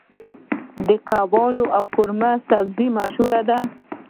کباب او قورمه سبزي مشهور دي.